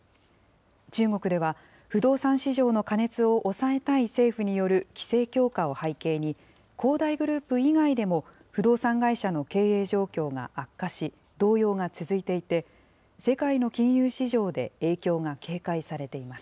中国では、不動産市場の過熱を抑えたい政府による規制強化を背景に、恒大グループ以外でも、不動産会社の経営状況が悪化し、動揺が続いていて、世界の金融市場で影響が警戒されています。